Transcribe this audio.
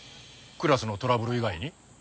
クラスのトラブル以外に？